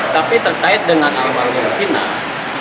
tapi terkait dengan hal hal yang final